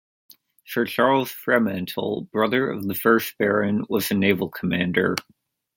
Sir Charles Fremantle, brother of the first Baron, was a naval commander.